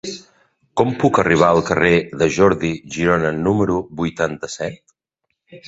Com puc arribar al carrer de Jordi Girona número vuitanta-set?